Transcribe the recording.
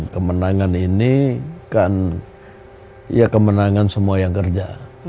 kemenangan ini kan ya kemenangan semua yang kerja